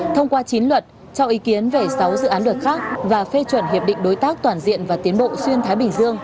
thông qua chín luật cho ý kiến về sáu dự án luật khác và phê chuẩn hiệp định đối tác toàn diện và tiến bộ xuyên thái bình dương